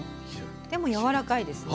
でもやわらかいですね。